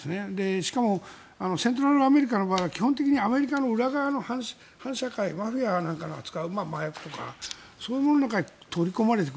しかもセントラルアメリカの場合は基本的にアメリカの裏側の反社会マフィアなんかが扱う麻薬なんかそういうものの中に取り込まれていく。